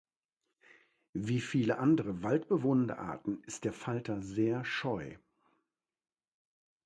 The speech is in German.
Wie viele andere waldbewohnende Arten ist der Falter sehr scheu.